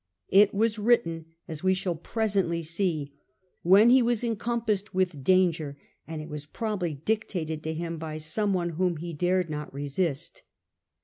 It was written, as we shall presently see, when he was encom passed with danger, and it was probably dictated to him by some one whom he dared not resist.